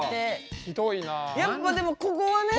やっぱでもここはね。